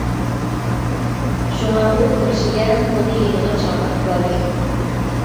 شۇڭا ئۇ كىرىشىگە ئۇنى يېنىغا چاقىرىپ كەلدى.